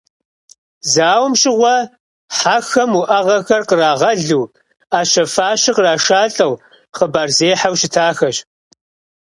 Зауэм щыгъуэ хьэхэм уӏэгъэхэр кърагъэлу, ӏэщэ-фащэ кърашалӏэу, хъыбар зехьэу щытахэщ.